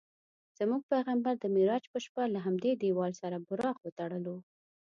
زموږ پیغمبر د معراج په شپه له همدې دیوال سره براق وتړلو.